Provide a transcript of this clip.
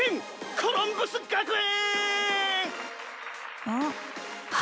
コロンブス学園』」